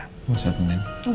saya mau temenin